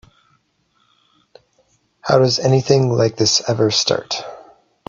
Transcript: How does anything like this ever start?